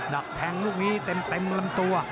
ดักแทงลูกนี้เต็มลำตัว